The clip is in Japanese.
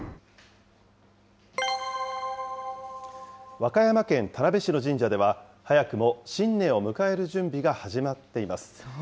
和歌山県田辺市の神社では、早くも新年を迎える準備が始まっています。